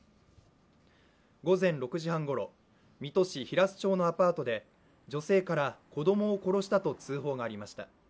午前６時半ごろ、水戸市平須町のアパートで女性から、子どもを殺したと通報がありました。